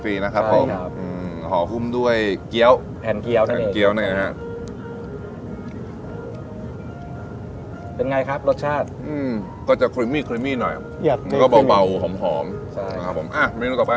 เป็นไงครับรสชาติอืมก็จะคือไม่ไม่หน่อยอยากบอกจอยอ่า